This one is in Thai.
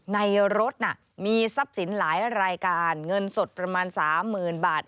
ในรถน่ะมีทรัพย์สินหลายรายการเงินสดประมาณ๓๐๐๐บาท